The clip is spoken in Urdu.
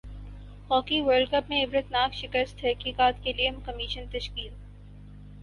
ہاکی ورلڈ کپ میں عبرتناک شکست تحقیقات کیلئے کمیشن تشکیل